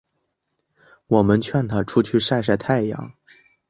我们劝她出去晒晒太阳